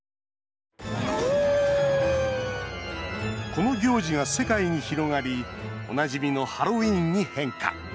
この行事が世界に広がりおなじみのハロウィーンに変化。